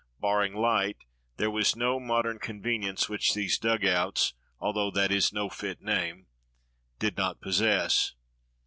Barring light, there was no modern convenience which these dugouts (although that is no fit name) did not possess.